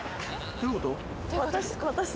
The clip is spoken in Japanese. どういうこと？